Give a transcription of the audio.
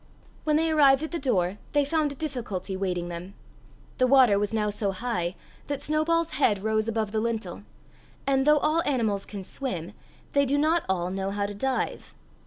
When they arrived at the door, they found a difficulty waiting them: the water was now so high that Snowball's head rose above the lintel; and, though all animals can swim, they do not all know how to dive.